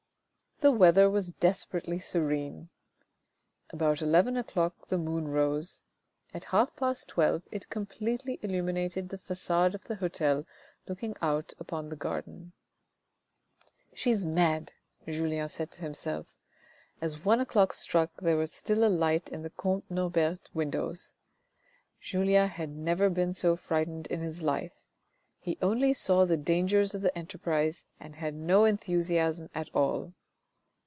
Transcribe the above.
" The weather was desperately serene. About eleven o'clock the moon rose, at half past twelve it completely illuminated the facade of the hotel looking out upon the garden. 346 THE RED AND THE BLACK "She is mad," Julien said to himself. As one o'clock struck there was still a light in comte Norbert's windows. Julien had never been so frightened in his life, he only saw the dangers of the enterprise and had no enthusiasm at all.